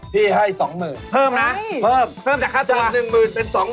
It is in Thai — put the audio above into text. ออกมาเป็น